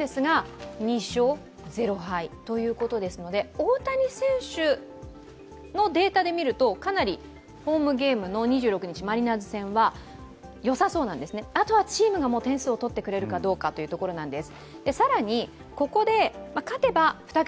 大谷選手のデータで見るとかなりホームゲームの２６日、マリナーズ戦はよさそうなんですね、あとはチームが点数をとってくれるかどうかというところなんです。